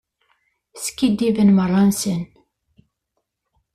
Skiddibent merra-nsent.